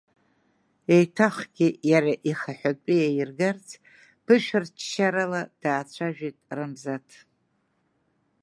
Еиҭахгьы иара ихаҳәатәы иаиргарц ԥышәарччарыла даацәажәеит Рамзаҭ.